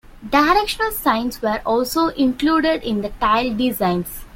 Directional signs were also included in the tile designs.